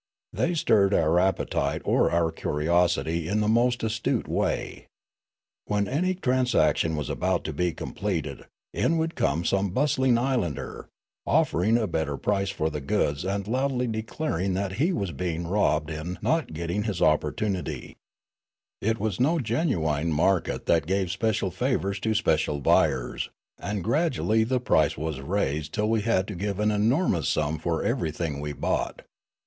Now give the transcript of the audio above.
They stirred our appetite or our curiosity in the most astute way. When any transaction was about to be completed, in w^ould come some bustling islander, offering a better price for the goods and loudly declaring that he was being robbed in not getting his opportunity; it was no genuine market that gave special favours to special buyers, and graduall} the price was raised till we had to give an enormous sum for everything we bought.